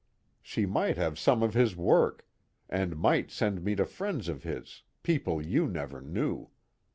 She might have some of his work, and might send me to friends of his, people you never knew.